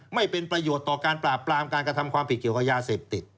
ไม่เป็นประโยชน์ต่อการปราบปรามการกระทำความผิดเกี่ยวกับยาเสพติด